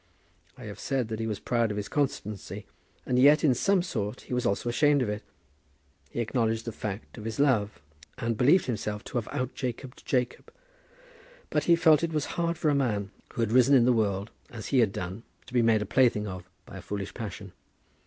I have said that he was proud of his constancy, and yet, in some sort, he was also ashamed of it. He acknowledged the fact of his love, and believed himself to have out Jacobed Jacob; but he felt that it was hard for a man who had risen in the world as he had done to be made a plaything of by a foolish passion.